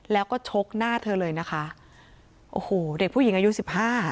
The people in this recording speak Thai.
แล้วก็ชกหน้าเธอเลยนะคะโอ้โหเด็กผู้หญิงอายุสิบห้า